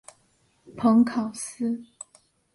蓬考斯。